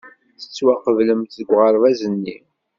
Tettwaqeblemt deg uɣerbaz-nni.